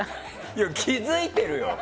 いや、気づいてるよ！